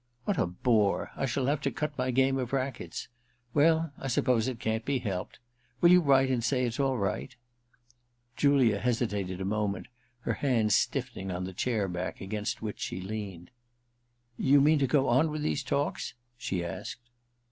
* What a bore ! I shall have to cut my game of racquets. Well, I suppose it can't be helped. Will you write and say it's all right ?* Julia hesitated a moment, her hand stiffening on the chair back against which she leaned. * You mean to go on with these talks ?' she asked.